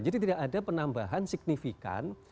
jadi tidak ada penambahan signifikan